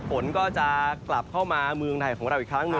ฝนก็จะกลับเข้ามาเมืองไทยของเราอีกครั้งหนึ่ง